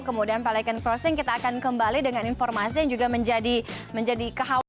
kemudian balikan crossing kita akan kembali dengan informasi yang juga menjadi kekhawatiran